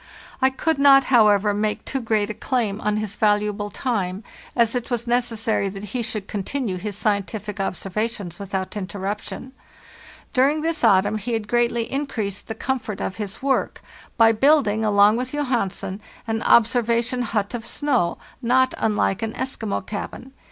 I could not, however, lay too great a claim on his valuable time, as it was necessary that he should con tinue his scientific observations without interruption. During this autumn he had greatly increased the com fort of his work by building, along with Johansen, an observation hut of snow, not unlike an Eskimo cabin.